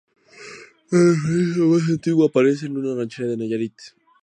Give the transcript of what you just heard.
La referencia más antigua aparece en una ranchería de Nayarit.